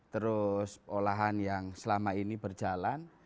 terus olahan yang selama ini berjalan